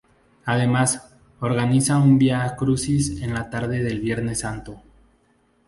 Además, organiza un Vía Crucis en la tarde del Viernes Santo.